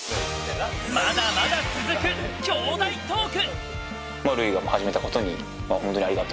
まだまだ続く兄弟トーク。